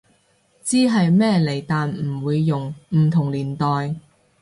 知係咩嚟但唔會用，唔同年代